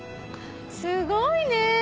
すごいね！